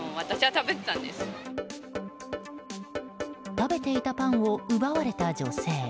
食べていたパンを奪われた女性。